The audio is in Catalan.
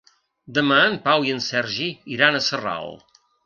Demà en Pau i en Sergi iran a Sarral.